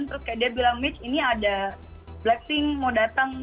terus kayak dia bilang mitch ini ada blackpink mau datang